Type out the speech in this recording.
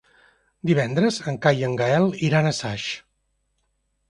Divendres en Cai i en Gaël iran a Saix.